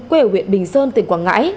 quê huyện bình sơn tỉnh quảng ngãi